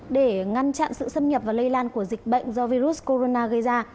để ngăn chặn sự xâm nhập và lây lan của dịch bệnh do virus corona gây ra